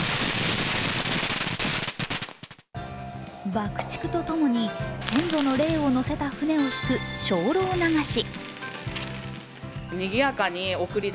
爆竹と共に先祖の霊を乗せた船をひく精霊流し。